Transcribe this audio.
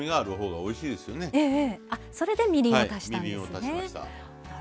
はいみりんを足しました。